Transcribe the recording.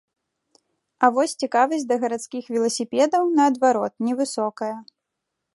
А вось цікавасць да гарадскіх веласіпедаў, наадварот, невысокая.